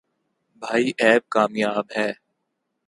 بھائی ایپ کامیاب ہے۔